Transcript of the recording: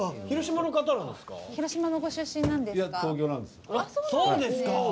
広島のご出身なんですか？